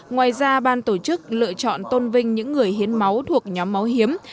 ngoài ra ban tổ chức lựa chọn tôn vinh những người hiến máu thuộc nhóm máu hiếm